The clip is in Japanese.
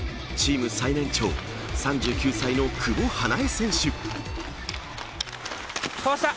チーム最年長３９歳の久保英恵選手。